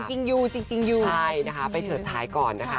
จริงยูใช่นะคะไปเฉิดสายก่อนนะคะ